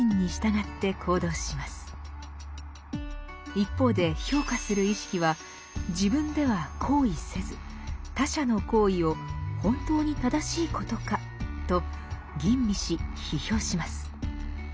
一方で評価する意識は自分では行為せず他者の行為を「本当に正しいことか？」と吟味し批評します。